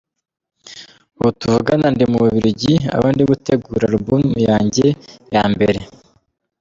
Ubu tuvugana ndi mu Bubiligi, aho ndi gutegura album yanjye ya mbere.